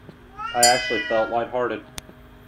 I actually felt light-hearted.